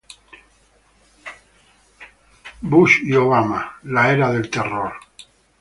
Bush y Obama: la era del terror.